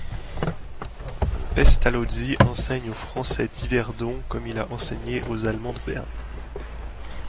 Pestalozzi enseigne aux Français d'Yverdon comme il a enseigné aux Allemands de Berne.